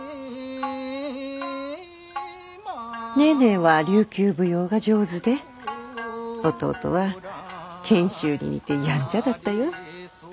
ネーネーは琉球舞踊が上手で弟は賢秀に似てやんちゃだったよ。